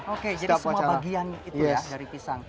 oke jadi semua bagian itu ya dari pisang